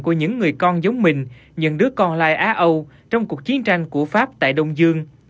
của những người con giống mình những đứa con gái á âu trong cuộc chiến tranh của pháp tại đông dương